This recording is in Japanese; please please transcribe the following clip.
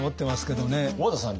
小和田さん